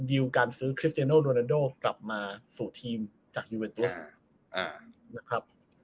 ดิวการซื้อคริสเจโนโรนาโดกลับมาสู่ทีมจากยูเวนตุสนะครับ